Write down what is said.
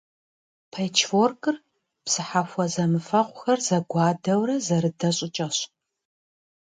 Пэчворкыр бзыхьэхуэ зэмыфэгъухэр зэгуадэурэ зэрыдэ щӏыкӏэщ.